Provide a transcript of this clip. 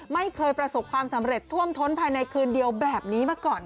ไม่เคยประสบความสำเร็จท่วมท้นภายในคืนเดียวแบบนี้มาก่อน